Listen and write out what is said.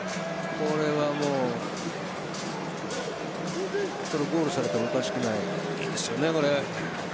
これはゴールされてもおかしくないです。